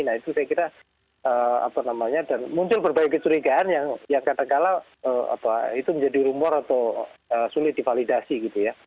nah itu saya kira muncul berbagai kecurigaan yang kadangkala itu menjadi rumor atau sulit divalidasi gitu ya